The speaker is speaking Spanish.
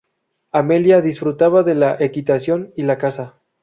Amelia disfrutaba de la equitación y la caza.